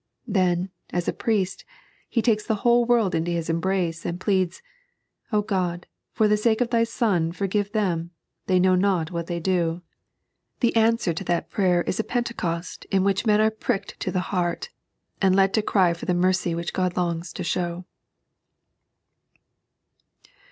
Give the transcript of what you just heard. Then, as a priest, he takee the whole world into his embrace uid pleads :" O Qod, for the sake of Thy Bon, foi^ve them; they know not what they do." The answer to that prayer is a Pentecost in which men are pricked to the heart, and led to cry for the mercy which God longs to show.